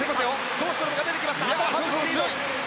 ショーストロムが出てきました。